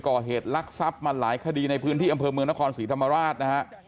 ก่อเหตุลักษัพมาหลายคดีในพื้นที่อำเภอเมืองนครศรีธรรมราชนะฮะ